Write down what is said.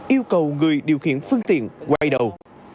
yêu cầu người điều khiển phương tiện quay đầu